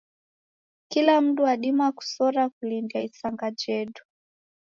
Kila mndu wadima kusora kulindia isanga jedu.